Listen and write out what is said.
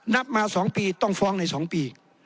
นับมา๒ปีต้องฟ้องใน๒ปี